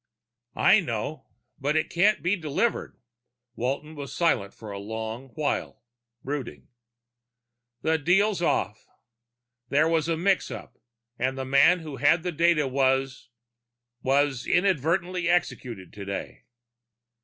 "I know. But it can't be delivered." Walton was silent a long while, brooding. "The deal's off. There was a mix up and the man who had the data was was inadvertently executed today."